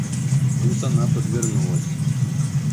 Тут она подвернулась.